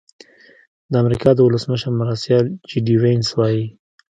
د امریکا د ولسمشر مرستیال جي ډي وینس وايي.